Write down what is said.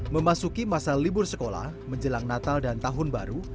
memasuki masa libur sekolah menjelang natal dan tahun baru